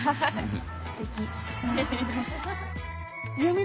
すてき。